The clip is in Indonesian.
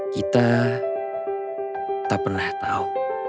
kita tak pernah tahu